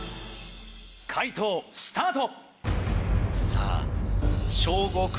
解答スタート。